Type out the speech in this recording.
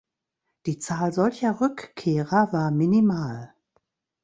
Die Zahl solcher Rückkehrer war minimal.